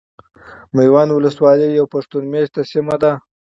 ميوند ولسوالي يو پښتون ميشته سيمه ده .